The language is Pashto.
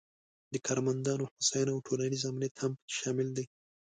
د کارمندانو هوساینه او ټولنیز امنیت هم پکې شامل دي.